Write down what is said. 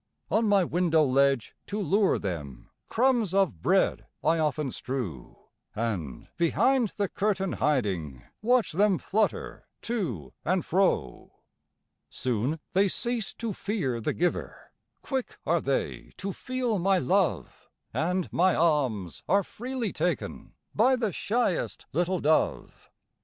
On my window ledge, to lure them, Crumbs of bread I often strew, And, behind the curtain hiding, Watch them flutter to and fro. Soon they cease to fear the giver, Quick are they to feel my love, And my alms are freely taken By the shyest little dove.